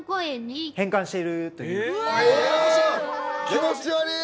気持ち悪い！